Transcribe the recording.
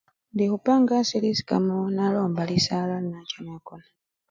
Indi ikhupanga asii lisikamo nalomba lisaala ne nacha nakona.